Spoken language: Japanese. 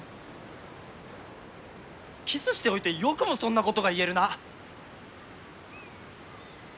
キスしておいてよくもそんなことが言えるな。